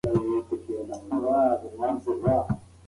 د سړي په جزا کې د مرغۍ خوښي نغښتې وه.